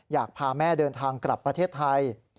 อยากพาแม่เดินทางกลับประเทศไทย